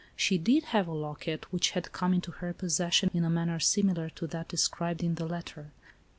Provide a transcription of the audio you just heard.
She did have a locket, which had come into her possession, in a manner similar to that described in the letter.